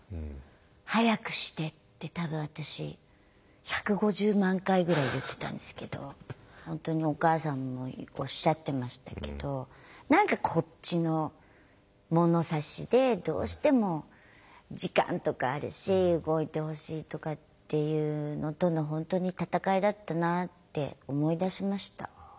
「早くして」って多分私１５０万回ぐらい言ってたんですけど本当にお母さんもおっしゃってましたけど何かこっちの物差しでどうしても時間とかあるし動いてほしいとかっていうのとの本当に戦いだったなって思い出しました。